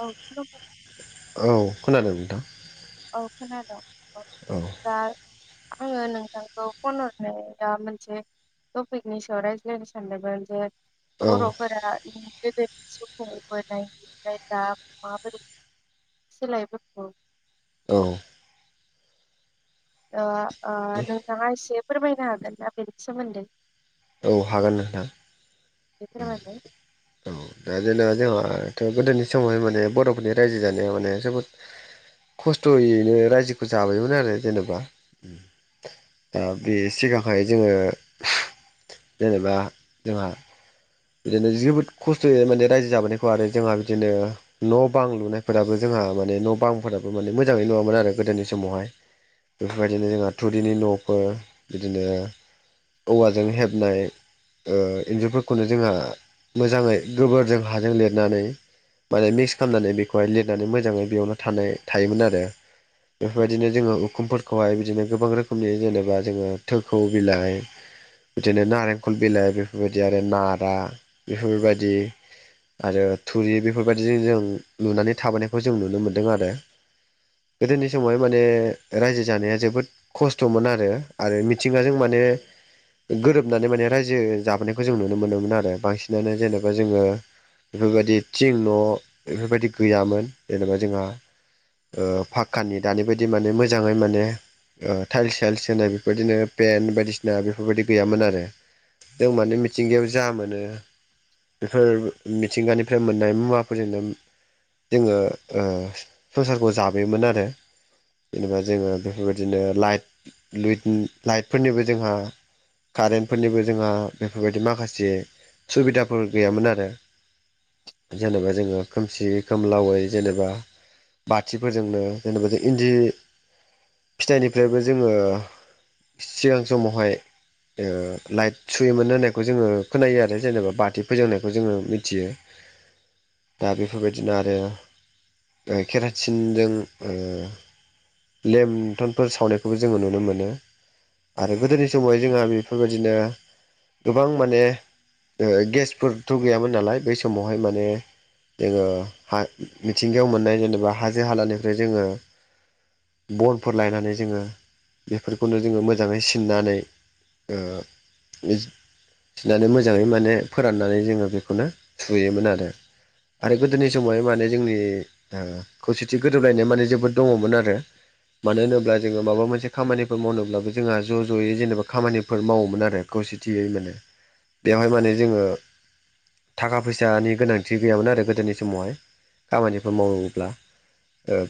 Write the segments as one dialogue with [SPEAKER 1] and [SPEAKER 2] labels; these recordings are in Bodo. [SPEAKER 1] औ खोनाबाय
[SPEAKER 2] औ खोनादों नोंथां?
[SPEAKER 1] औ खोनादोंं औ दा आङो नोंथांखौ फन' हरनाया मोनसे टपिकनि सायाव रायज्लायनो सानदोंमोन जे बर'फोरा गोदो जिउ खुंबोनाय ओफ्राय दा माबोरै सोलायबोखो
[SPEAKER 2] औ
[SPEAKER 1] ओ ओ नोंथाङा एसे फोरमायनो हागोन ना बेनि सोमोन्दै
[SPEAKER 2] औ हागोन नोंथां
[SPEAKER 1] एसे फोरमायनाय
[SPEAKER 2] ओम'औ दा जोंना जोंहाथ' गोदोनि समावहाय माने बर'फोरनि रायजो जानाया माने जोबोद खस्थ'यैनो रायजोखौ जाबायमोन आरो जेनेबा ओम दा बे सिगांहाय जोङो जेनेबा जोंहा बिदिनो जोबोद खस्थ'यै माने रायजो जाबोनायखौ आरो जोंहा बिदिनो न' बां लुनायफोराबो जों जोंहा माने न' बांफोराबो माने मोजाङै नुङामोन आरो गोदोनि समावहाय बेफोरबायदिनो जोंहा थुुरिनि न'फोर औवाजों हेबनाय ओ इन्जुरफोर खौनो जोंहा मोजाङै गोबोरजों हाजों लिरनानै माने मिक्स खालामनानै बेखौहाय लिरनानै मोजाङै बेयावनो थानाय थायोमोन आरो बेफोरबायदिनो जोङो उखुमफोरखौहाय बिदिनो गोबां रोखोमनि जेनेबा जोङो थोरखौ बिलाइ बिदिनो नारेंखल बिलाइ बेफोरबायदि आरो नारा बेफोरबायदि आरो थुरि बेफोरबायदिजों जों लुनानै थाबोनायखौ जों नुनो मोन्दों आरो गोदोनि समावहाय माने रायजो जानाया जोबोद खस्थ'मोन आरो आरो मिथिंगाजों माने ने गोरोबनानै माने रायजो जाबोनाय खौ जों नुनो मोनोमोन आरो बांसिनानो जेनेबा जोङो बेफोरबायदि थिं न' बेफोरबायदि गैयामोन जेनेबा जोंहा ओ पाक्कानि दानि बायदि माने मोजाङै माने ओ थाइल्स साइल्स होनाय बेफोरदिनो पेन् बायदिसिना बेफोरबायदि गैयामोन आरो दं माने मिथिंगायाव जा मोनो बेफोर मिथिंगानिफ्राय मोननाय मुवाफोरजोंनो जोङो संसारखौ जाबोयोमोन आरो जेनेबा जोङो बेफोरबायदिनो लाइट लुइ लाइटफोरनिबो जोंहा कारेन्टफोरनिबो जोंहा बेफोरबायदि माखासे सुबिदाफोर गैयामोन आरो । जेनेबा जोङो खोमसि खोमलावै जेनेबा बाथिफोरजोंनो जेनेबा जों इन्दि फिथनिफ्रायबो जोङो सिगां समावहाय ओ लाइट सुयो मोन होननाय खौ जोङो खोनायो आरो जेनेबा बाथि फोजांनायखौ जोङो मिथियो। दा बेफोरबायदिनो आरो केरासिनजों ओ लेमटनफोर सावनायखौबो जोङो नुनो मोनो आरो गोदोनि समाव जोंहा बेफोरबायदिनो गोबां माने गेसफोरथ' गैयामोन नालाय बै समावहाय माने जोङो हा मिथिंगायाव मोननाय जेनेबा हाजो हालानिफ्राय जोङो बनफोर लायनानै जोङो बेफोरखौनो जोङो मोजाङै सिननानै ओ बि सिनानै मोजाङै माने फोराननानै जोङो बेखौनो थुयोमोन आरो आरो गोदोनि समावहाय माने जोंनि ओ खौसेथि गोरोबलायनाय माने जोबोद दङमोन आरो मानो होनोब्ला जोङो माबा मोनसे खामानिफोर मावनोब्लाबो जोंहा ज' ज'यै जेनेबा खामानिफोर मावोमोन आरो खौसेथि यै माने बेवहाय माने जोङो थाखा फैसानि गोनांथि गैयामोन आरो गोदोनि समावहाय खामानिफोर मावोब्ला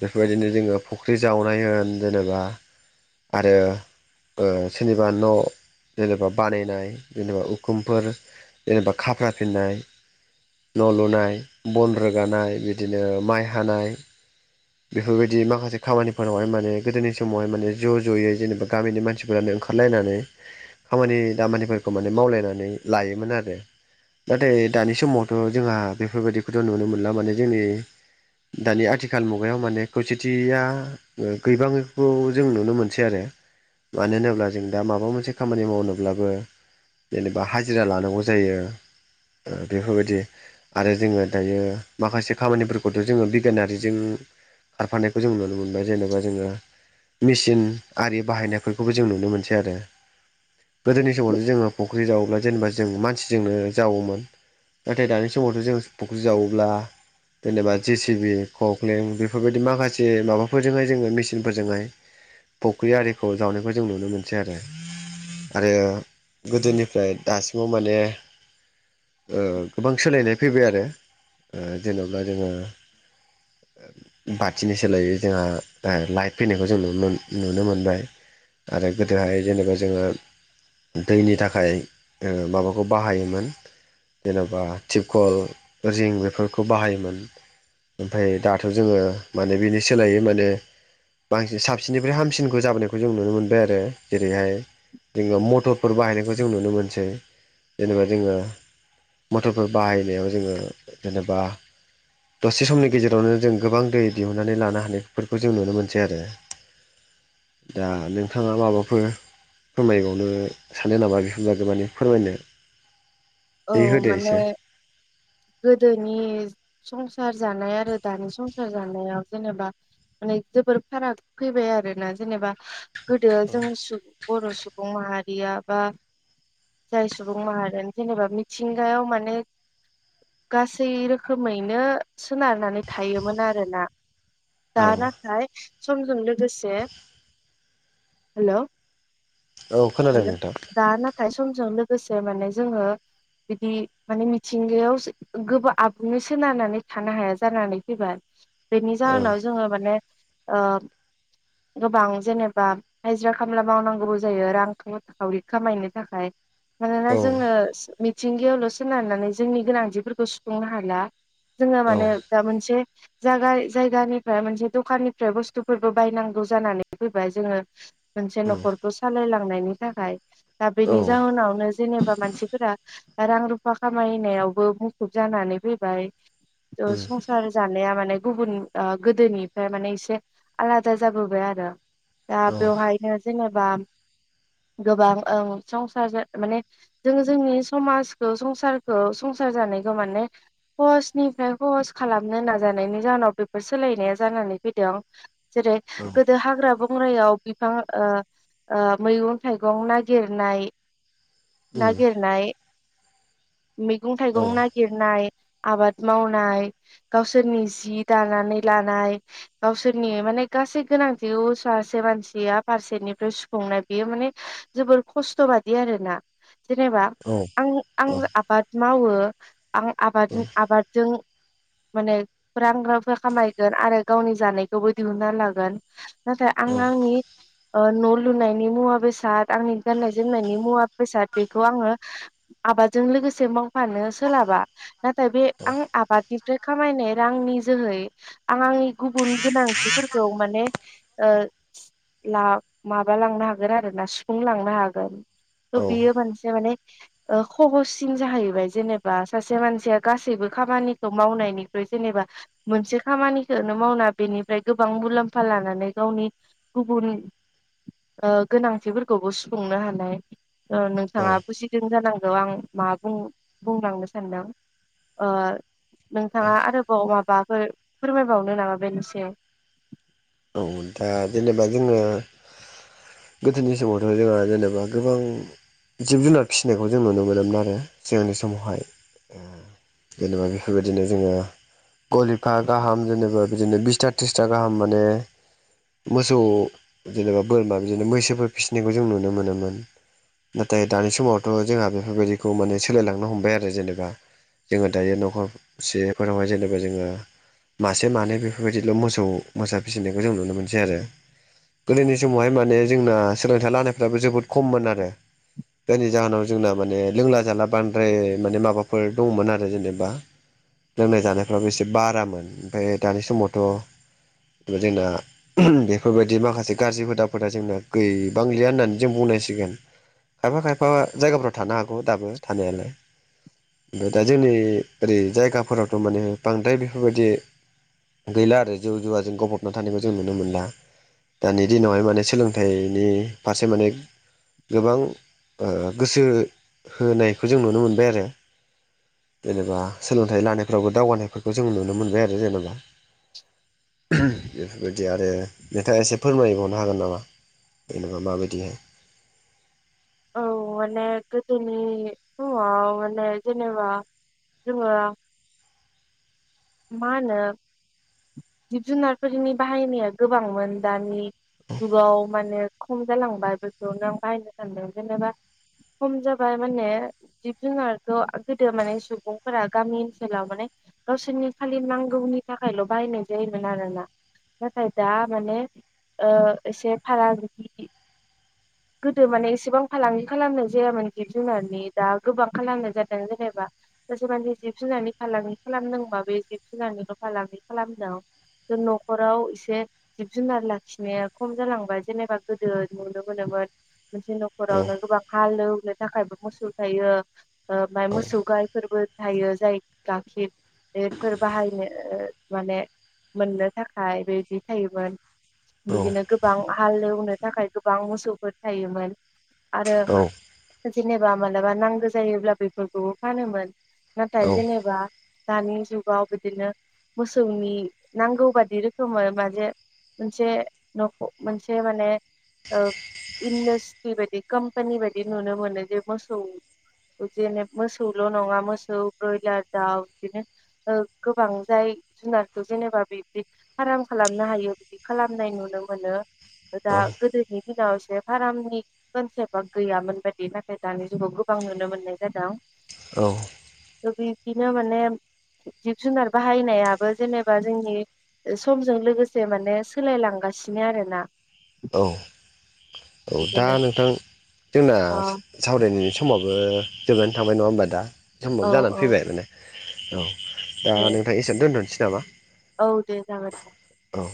[SPEAKER 2] बेफोरबायदिनो जोङो फुख्रि जावनाय होन जेनेबा आरो सोरनिबा न' जेनेबा बानायनाय जेनेबा उखुमफोर जेनेबा खाफ्रा फिननाय न' लुनाय, बन रोगानाय बिदिनो माइ हानाय बेफोरबायदि माखासे खामानिफोरावहाय माने गोदोनि समावहाय माने ज' ज'यै जेनेबा गामिनि मानसिफोरानो ओंखारलायनानै खामानि दामानिफोरखौ माने मावलायनानै लायोमोन आरो नाथाय दानि समावथ' जोंहा बेफोरबायदिखौथ' नुनो मोनला माने जोंनि दानि आथिखाल मु मयाव माने खौसेथिया गैबाङखौ जों नुनो मोनसै आरो मानो होनोब्ला जों दा माबा मोनसे खामानि मावनोब्लाबो जेनेबा हाजिरा लानांगौ जायो ओ बेफोरबायदि आरो जोङो दायो माखासे खामानिफोरखौथ' जोङो बिगियानारिजों खारफानायखौ जों नुनो मोनबाय जेनेबा जोङो मेचिन आरि बाहायनायफोरखौबो जों नुनो मोनसै आरो गोदोनि समावनो जोङो फुख्रि जावोब्ला जेनेबा जों मानसिजोंनो जावोमोन नाथाय दानि समावथ' जों फुख्रि जावोब्ला जेनेबा जेसिबि कक्लेट बे बेफोरबायदि माखासे माबाफोरजोंहाय जोङो मिसिनफोरजोंहाय फुख्रि आरिखौ जावनायखौ जों नुनो मोनसै आरो आरो गोदोनिफ्राय दासिमाव माने ओ गोबां सोलायनाय फैबाय आरो ओ जेनेबला जोङो
[SPEAKER 1] [unintelligible]
[SPEAKER 2] बाथिनि सोलायै जोंहा लाइट फैनायखौ जों नुनो मोनबाय आरो गोदोहाय जेनेबा जोङो दैनि थाखाय ओ माबाखौ बाहायोमोन जेन'बा थिपकल रिं बेफोरखौ बाहायोमोन। ओमफ्राय दाथ' जोङो माने बेनि सोलायै माने बांसिन साबसिननिफ्राय हामसिनखौ जाबोनायखौ जों नुनो मोनबाय आरो जेरैहाय जोङो मटरफोर बाहायनायखौ जों नुनो मोनसै जेनेबा जोङो मथरफोर बाहायनायाव जोङो जेनेबा दसे समनि गेजेरावनो जों गोबां दै दिहुननानै लानो हानायफोरखौ जों नुनो मोनसै आरो। दा नोंथाङा माबाफोर फोरमायबावनो सानो नामा बेफोरबादि माने फोरमायनो।
[SPEAKER 1] औ
[SPEAKER 2] बे होदो
[SPEAKER 1] माने
[SPEAKER 2] एसे
[SPEAKER 1] गोदोनि संसार जानाय आरो दानि संसार जानायाव जेनेबा माने जोबोर फाराग फैबाय आरोना जेनेबा गोदो जों बर' सुबुं माहारिया बा जाय सुबुं माहारियानो जेनेबा मिथिंगायाव माने गासै रोखोमैनो सोनारनानै थायोमोन आरोना।
[SPEAKER 2] औ
[SPEAKER 1] दा नाथाय समजों लोगोसे हेलौ
[SPEAKER 2] औ खोनादों
[SPEAKER 1] हेलौ
[SPEAKER 2] नोंथां
[SPEAKER 1] दा नाथाय समजों लोगोसे माने जोङो बिदि माने मिथिंगायाव गोबा आबुङै सोनारनानै थानो हाया जानानै फैबाय। बेनि
[SPEAKER 2] औ
[SPEAKER 1] जाहोनाव जोङो माने ओ गोबां जेनेबा हायज्रा खामला मावनांगौबो जायो रां खावरि खामायनो थाखाय मानोना
[SPEAKER 2] औ
[SPEAKER 1] जोङो मिथिंगायावल' सोनारनानै जोंनि गोनांथिफोरखौ सुफुंनो हाला । जोङो
[SPEAKER 2] औ
[SPEAKER 1] माने दा मोनसे जागा जायगानिफ्राय मोनसे दखाननिफ्राय बुस्थुफोरबो बायनांगौ जानानै फैबाय जोङो मोनसे
[SPEAKER 2] उम
[SPEAKER 1] न'खरखौ सालायलांनायनि थाखाय। दा
[SPEAKER 2] औ
[SPEAKER 1] बेनि जाहोनावनो जेनेबा मानसिफोरा रां रुफा खामायनायावबो मुखुब जानानै फैबाय ।
[SPEAKER 2] उम
[SPEAKER 1] संसार जानाया माने गुबुन ओ गोदोनिफ्राय माने एसे आलादा जाबोबाय आरो। दा
[SPEAKER 2] औ
[SPEAKER 1] बेवहायनो जेनेबा गोबां ओं संसार माने जोङो जोंनि समाजखौ संसारखौ संसा- र जानायखौ माने खहजनिफ्राय खहस खालामनो नाजानायनि जाहोनाव बेफोर सोलायनाया जाना- नै फैदों । जेरै गोदो हाग्रा बंग्रायाव बिफां ओ ओ मैगं- थाइगं नागिरनाय
[SPEAKER 2] उम
[SPEAKER 1] नागिरनाय
[SPEAKER 2] औ
[SPEAKER 1] मैगं-थाइगं नागिरनाय, आबाद मावनाय, गावसोरनि जि दानानै लानाय, गावसोरनि माने गासै गोनांथिखौ सासे मानसिया फारसेनिफ्राय सुफुंनाय बेयो माने जोबोर खस्थ' बादि आरोना । जेनेबा
[SPEAKER 2] औ औ
[SPEAKER 1] आं आं आबाद मावो आं
[SPEAKER 2] औ
[SPEAKER 1] आबादजों आबादजों माने रां रुफा खामायगोन आरो गावनि जानायखौबो दिहुनना लागोन नाथाय आं
[SPEAKER 2] औ
[SPEAKER 1] आंनि ओ न' लुनायनि मुवा बेसा- द, आंनि गाननाय जोमनायनि मुवा बेसाद बेखौ आङो आबादजों लोगोसे मावफानो सोलाबा । नाथाय बे आं आबादनिफ्राय खामायनाय रांनि जोहै आं आंनि गुबुन गोनांथिफोरखौ माने ओ ला माबा लांनो हागोन आरो । ना सुफुंलांनो हागोन । थ' बियो मोनसे माने ओ खहजसिन जाहैबाय जेनेबा सासे मानसिया गासैबो खामानिखौ मावनायनिख्रुइ जेनेबा मोनसे खामानिखौनो मावना बेनिफ्राय गोबां मुलाम्फा लानानै गावनि गु- बुन ओ गोनांथिफोरखौबो सुफुंनो हानाय । ओ नोंथाङा बुजिदों जानां- गौ आं मा बुं बुंलांनो सानदों ओ नोंथाङा आरोबाव माबाफोर फोरमायबावनो नामा बेनि सायाव?
[SPEAKER 2] औ दा जेनेबा जोङो गोदोनि समावथ' जोंहा जेनेबा गोबां जिब-जुनार फिसिनायखौ जों नुनो मोनोमोन आरो सिगांनि समावहाय । जेनेबा बेफोरबायदिनो जोङो गलिफा गाहाम जेनेबा बिदिनो बिसथा थ्रिसथा गाहाम माने मोसौ जेनेबा बोरमा बिदिनो मैसोफोर फिसिनायखौ जों नुनो मोनोमोन। नाथाय दानि समावथ' जोंहा बेफोरबायदिखौ माने सोलायलांनो हमबाय आरो जेनेबा । जोङो दायो न'खरसेफोरावहाय जेनेबा जोङो मासे मानै बेफोरबायदिल' मोसौ-मोसा फिसिनायखौ जों नुनो मोनसै आरो । गोदोनि समावहाय माने जोंना सोलोंथाइ लानायफ्राबो जोबोद खममोन आरो । जायनि जाहोनाव जोंना माने लोंला जाला बांद्राय माने माबाफोर दंमोन आरो जेनेबा लोंनाय जानायफ्राबो एसे बारामोन ओमफ्राय दानि समावथ' जोंना बेफोरबायदि माखासे गाज्रि हुदाफोरा जोंना गैबांलिया होननानै जों बुंनांसिगोन खायफा खायफा जायगाफ्राव थानो हागौ दाबो थानायलाय। ओमफ्राय दा जोंनि ओरै जायगाफोरावथ' माने बांद्राय बेफोरबायदि गैला आरो जौ जुवाजों गफबना थानायखौ जों नुनो मोनला। दानि दिनावहाय माने सोलोंथाइनि फारसे माने गोबां गोसो होनायखौ जों नुनो मोनबाय आरो जेनेबा सोलोंथाइ लानायफोरावबो दावगानायफोरखौ जों नुनो मोनबाय आरो जेनेबा
[SPEAKER 1] [inaudible]
[SPEAKER 2] बेफोरबायदि आरो नोंथाङा एसे फोरमायबावनो हागोन नामा जेनेबा माबायदि
[SPEAKER 1] [inaudible] औ मानेे गोदोनि समाव मानेे जेनेबा जोंङो मा होनो जिब जुनारफोरनि बाहायनाया गोबांमोन दानि जुगाव माने खम जालांबाय बेखौनो आं बाहायनो सानदों जेनेबा खम जाबाय माने जिब जुनारखौ गोदो माने सुबुंफोरा गामि ओनसोलाव माने गावसोरनि खालि नांगौनि थाखायल' बाहायनाय जायोमोन आरोना नाथाय दा माने एसे फालांगि गोदो माने एसेबां फालांगि खालामनाय जायामोन जिब जुनारनि दा गोबां खालामनाय जादों जेनेबा माने जिब जुनारनि फालांगि खालामदोंबा बे जिब जुनारनिल' फालांगि खालामदों। न'खराव एसे जिब जुनार लाखिनाया खम जालांबाय जेनेबा गोदो नुनो मोनोमोन मोनसे
[SPEAKER 2] औ
[SPEAKER 1] न'खरावनो गोबां हालौनो थाखायबो मोसौ थायो ओमफ्राय
[SPEAKER 2] औ
[SPEAKER 1] मोसौ गायफोरबो थायो जाय गाखिरफोर बाहायनो माने मोननो थाखाय बेबायदि थायोमोन।
[SPEAKER 2] औ
[SPEAKER 1] बिदिनो गोबां हालेवनो थाखाय गोबां मोसौफोर थायोमोन आरो
[SPEAKER 2] औ
[SPEAKER 1] जेनेबा मालाबा नांगौ जायोब्ला बेफोरखौबो फानोमोन नाथाय जेनेबा दानि जुगाव बिदिनो मोसौनि नांगौ बादि रोखोमै माजे मोनसे नखौ मोनसे माने इन्डासट्रि बायदि कम्पानि बायदि नुनो मोनो जे मोसौ बिदिनो मोसौल' नङा मोसौ ब्रयलार दाउ बिदिनो गोबां जाय जुनारखौ जेनेबा बिदि फार्म खालामनो हायो बिदि खालामनाय नुनो मोनो
[SPEAKER 2] औ
[SPEAKER 1] ओदा गोदोनि दिनाव जे फार्मनि कनसेप्टा गैयामोन बायदि नाथाय दानि जुगाव गोबां नुनो मोननाय जादों
[SPEAKER 2] औ
[SPEAKER 1] बिदिनो माने जिब जुनार बाहायनायाबो जेनेबा जोंनि समजों लोगोसे माने सोलायलांगासिनो आरोना।
[SPEAKER 2] औ। औ दा
[SPEAKER 1] बिदिनो
[SPEAKER 2] नोंथां जोंना
[SPEAKER 1] अ
[SPEAKER 2] सावरायनायनि समाबो जोबनानै थांबाय नङा होनबा दा
[SPEAKER 1] औ
[SPEAKER 2] समबाबो जानानै
[SPEAKER 1] औ
[SPEAKER 2] फैबाय माने औ। दा
[SPEAKER 1] दे
[SPEAKER 2] नोंथां एसेयावनो दोन्थ'नोसै नामा
[SPEAKER 1] औ दे जागोन दे।
[SPEAKER 2] औ।